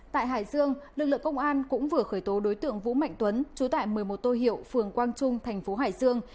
tại hải dương lực lượng công an cũng vừa khởi tố đối tượng vũ mạnh tuấn chú tại một mươi một tô hiệu phường quang trung thành phố hải dương